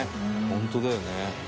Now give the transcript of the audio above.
「ホントだよね」